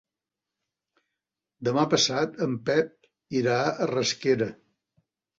Demà passat en Pep irà a Rasquera.